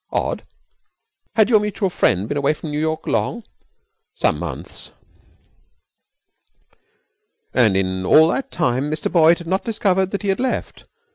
'Odd! Had your mutual friend been away from New York long?' 'Some months.' 'And in all that time Mr Boyd had not discovered that he had left.